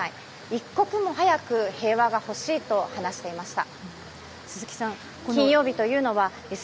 一刻も早く平和が欲しいと話していました。